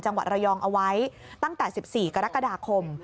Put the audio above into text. จังหวัดระยองเอาไว้ตั้งแต่๑๔กรกฎาคม